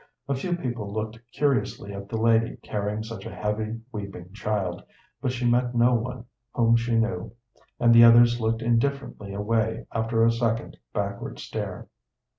A few people looked curiously at the lady carrying such a heavy, weeping child, but she met no one whom she knew, and the others looked indifferently away after a second backward stare.